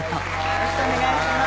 よろしくお願いします